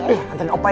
eh anterin opa ya